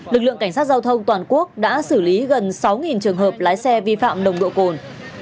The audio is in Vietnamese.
lực lượng cảnh sát giao thông toàn quốc đã xử lý gần sáu trường hợp lái xe vi phạm nồng độ cồn